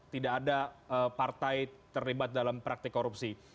tidak ada partai terlibat dalam praktik korupsi